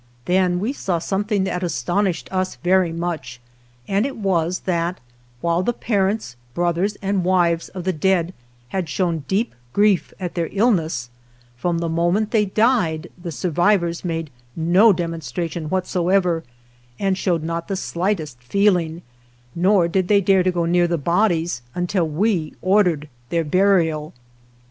Then we saw some thing that astonished us very much, and it was that, while the parents, brothers and wives of the dead had shown deep grief at their illness, from the moment they died the survivors made no demonstration whatso ever, and showed not the slightest feeling; nor did they dare to go near the bodies until we ordered their burial.